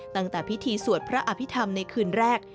ตั้งแต่พิธีสวดพระอภิษฐรรมในคืนแรก